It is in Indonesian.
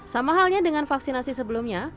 sama halnya dengan vaksinasi sebelumnya